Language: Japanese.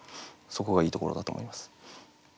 そこがいいところだと思います。